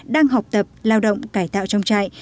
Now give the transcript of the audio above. đang học tập lao động cải tạo trong trại